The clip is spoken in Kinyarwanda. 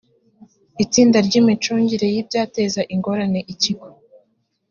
itsinda ry imicungire y ibyateza ingorane ikigo